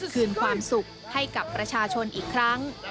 คืนความสุขให้กับประชาชนอีกครั้ง